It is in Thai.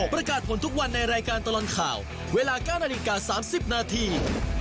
ประกาศผลทุกวันในรายการตลอดข่าวเวลา๙นาฬิกา๓๐นาที